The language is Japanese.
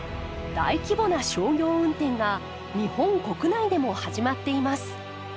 大規模な商業運転が日本国内でも始まっています。